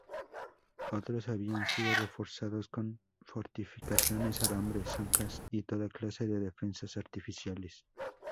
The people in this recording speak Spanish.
Otros habían sido reforzados con fortificaciones, alambre, zanjas y toda clase de defensas artificiales.